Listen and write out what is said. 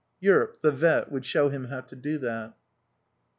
Yearp, the vet, would show him how to do that.